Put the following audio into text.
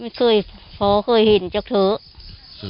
ที่มีข่าวเรื่องน้องหายตัว